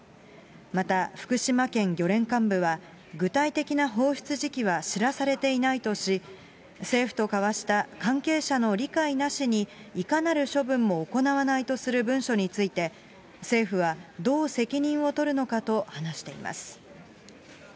また福島県漁連監部は、具体的な放出時期は知らされていないとし、政府と交わした関係者の理解なしにいかなる処分も行わないとする文書について、政府はどう責任を取るのかと話しています。